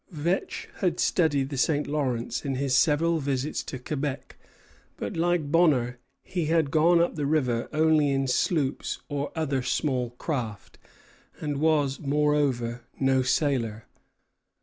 Vetch had studied the St. Lawrence in his several visits to Quebec, but, like Bonner, he had gone up the river only in sloops or other small craft, and was, moreover, no sailor.